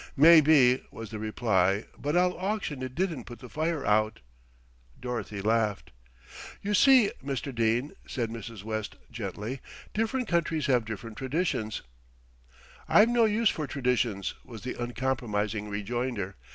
"Maybe," was the reply, "but I'll auction it didn't put the fire out." Dorothy laughed. "You see, Mr. Dene," said Mrs. West gently, "different countries have different traditions " "I've no use for traditions," was the uncompromising rejoinder.